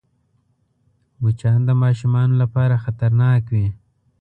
مچان د ماشومانو لپاره خطرناک وي